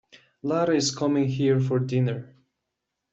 Lara is coming here for dinner.